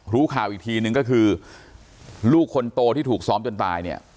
รู้ข่าวอีกทีนึงก็คือลูกคนโตที่ถูกซ้อมจนตายเนี่ย